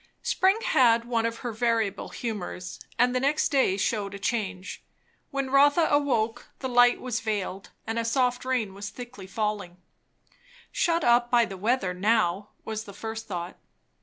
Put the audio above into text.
Spring had one of her variable humours, and the next day shewed a change. When Rotha awoke, the light was veiled and a soft rain was thickly falling. Shut up by the weather now! was the first thought.